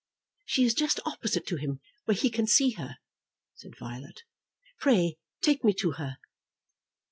"She is just opposite to him, where he can see her," said Violet. "Pray take me to her.